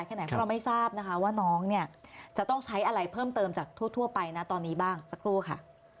ทั้งไม่ทราบว่าน้องจะต้องใช้อะไรเพิ่มเติมจากเท่าไปตอนนี้บ้างสักครู่ค่ะ